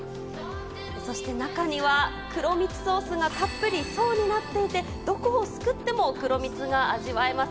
そして中には、黒蜜ソースがたっぷり層になっていて、どこをすくっても黒蜜が味わえます。